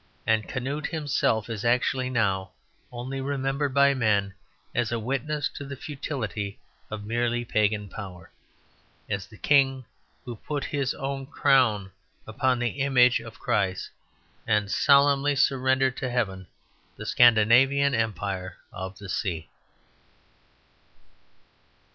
And Canute himself is actually now only remembered by men as a witness to the futility of merely pagan power; as the king who put his own crown upon the image of Christ, and solemnly surrendered to heaven the Scandinavian empire of the sea.